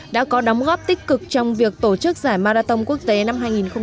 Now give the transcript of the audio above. đã có đóng góp tích cực trong việc tổ chức giải marathon quốc tế năm hai nghìn hai mươi